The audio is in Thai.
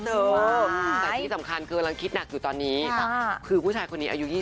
แต่ที่สำคัญคือกำลังคิดหนักอยู่ตอนนี้คือผู้ชายคนนี้อายุ๒๐